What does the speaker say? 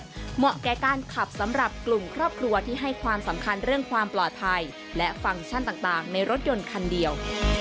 เหมาะแก่การขับสำหรับกลุ่มครอบครัวที่ให้ความสำคัญเรื่องความปลอดภัยและฟังก์ชั่นต่างในรถยนต์คันเดียว